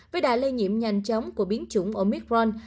với đại lây nhiễm nhanh chóng của biến chủng omicron